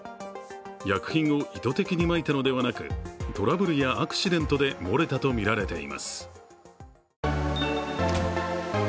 薬品を意図的にまいたのではなくトラブルやアクシデントで漏れたとみられています。